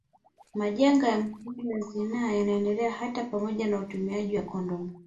Majanga ya magonjwa ya zinaa yanaendelea hata pamoja na utumiaji wa kondomu